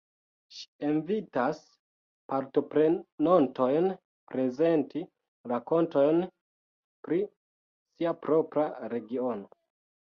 Ŝi invitas partoprenontojn prezenti rakontojn pri sia propra regiono.